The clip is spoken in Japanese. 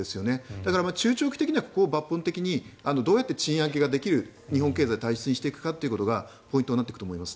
だから中長期的にはここを抜本的にどうやって賃上げができる日本経済体質にしていくかがポイントになっていくと思います。